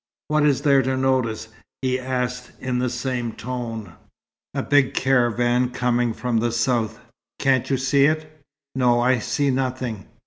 "What is there to notice?" he asked in the same tone. "A big caravan coming from the south. Can't you see it?" "No. I see nothing."